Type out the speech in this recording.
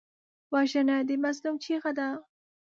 وژنه د مظلوم چیغه ده